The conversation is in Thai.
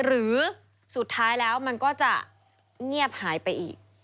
หรือสุดท้ายแล้วมันก็จะเงียบหายไปอีก